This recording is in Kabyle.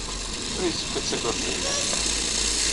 Ur yessefk ad tagadeḍ imal.